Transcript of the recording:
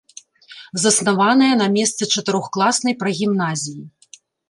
Заснаваная на месцы чатырохкласнай прагімназіі.